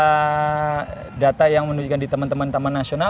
ada data yang menunjukkan di teman teman taman nasional